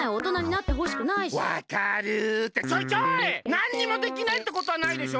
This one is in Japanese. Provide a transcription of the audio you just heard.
なんにもできないってことはないでしょ！